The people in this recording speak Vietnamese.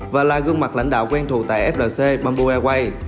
và là gương mặt lãnh đạo quen thuộc tại flc bamboo airways